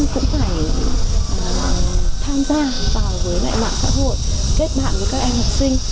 chúng ta phải tham gia vào với mạng xã hội kết bạn với các em học sinh